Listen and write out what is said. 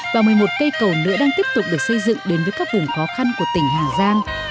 và một mươi một cây cầu nữa đang tiếp tục được xây dựng đến với các vùng khó khăn của tỉnh hà giang